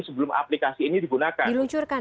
sebelum aplikasi ini digunakan